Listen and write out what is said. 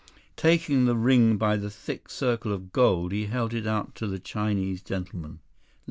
Taking the ring by the thick circle of gold, he held it out to the Chinese gentleman.